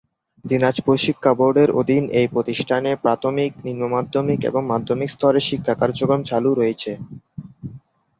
দিনাজপুর শিক্ষাবোর্ডের অধীন এই প্রতিষ্ঠানে প্রাথমিক, নিম্ন মাধ্যমিক এবং মাধ্যমিক স্তরে শিক্ষা কার্যক্রম চালু রয়েছে।